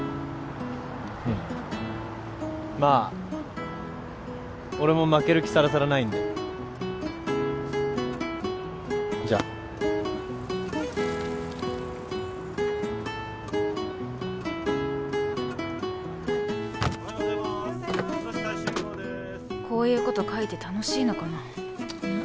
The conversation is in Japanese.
まあ俺も負ける気さらさらないんでじゃこういうこと書いて楽しいのかな